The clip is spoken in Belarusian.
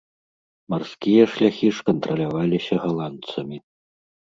Марскія шляхі ж кантраляваліся галандцамі.